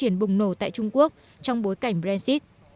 nổ tại trung quốc trong bối cảnh brexit